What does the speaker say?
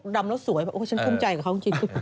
ดำแล้วสวยฉันทุ่มใจกับเขาจริง